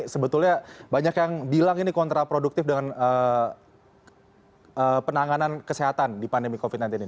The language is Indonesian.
sebetulnya banyak yang bilang ini kontraproduktif dengan penanganan kesehatan di pandemi covid sembilan belas ini